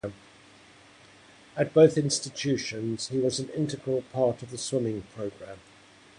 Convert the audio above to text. At both institutions he was an integral part of the swimming program.